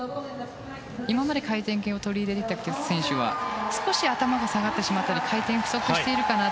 今まで回転系を取り入れてきた選手は少し頭が下がってしまったり回転が不足しているような